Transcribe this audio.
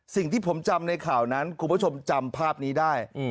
สิ่งที่ผมจำในข่าวนั้นคุณผู้ชมจำภาพนี้ได้